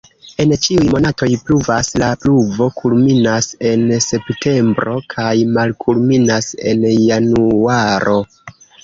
En ĉiuj monatoj pluvas, la pluvo kulminas en septembro kaj malkulminas en januaro.